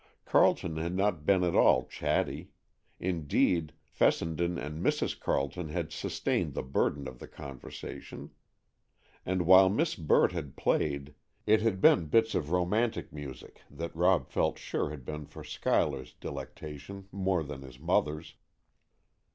Carleton had not been at all chatty; indeed, Fessenden and Mrs. Carleton had sustained the burden of the conversation; and while Miss Burt had played, it had been bits of romantic music that Rob felt sure had been for Schuyler's delectation more than his mother's.